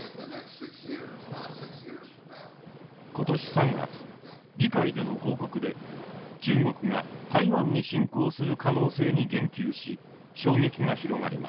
今年３月議会での報告で中国が台湾に侵攻する可能性に言及し衝撃が広がりました。